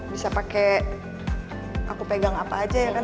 bisa pakai aku pegang apa aja ya kan